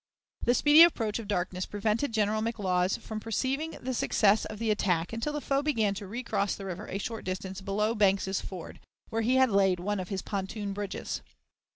The speedy approach of darkness prevented General McLaws from perceiving the success of the attack, until the foe began to recross the river a short distance below Banks's Ford, where he had laid one of his pontoon bridges.